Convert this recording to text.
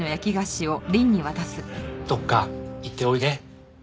どっか行っておいで。